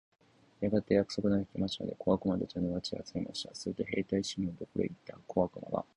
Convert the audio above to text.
やがて約束の日が来ましたので、小悪魔たちは、沼地へ集まりました。すると兵隊シモンのところへ行った小悪魔が、